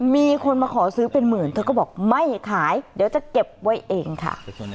มีคนมาขอซื้อเป็นหมื่นเธอก็บอกไม่ขายเดี๋ยวจะเก็บไว้เองค่ะ